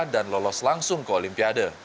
dan lolos langsung ke olimpiade